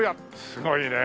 すごいね。